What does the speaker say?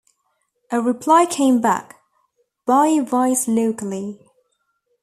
A reply came back, 'Buy vice locally'.